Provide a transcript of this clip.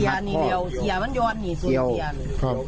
มันกระตะค่ะ